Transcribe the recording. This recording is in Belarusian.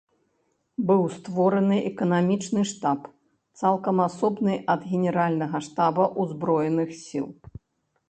Быў створаны эканамічны штаб, цалкам асобны ад генеральнага штаба ўзброеных сіл.